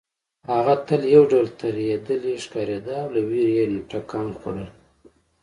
هغه تل یو ډول ترهېدلې ښکارېده او له وېرې یې ټکان خوړل